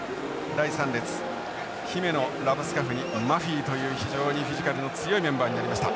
第３列姫野ラブスカフニマフィという非常にフィジカルの強いメンバーになりました。